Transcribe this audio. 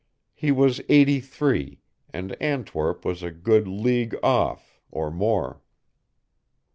He was eighty three, and Antwerp was a good league off, or more.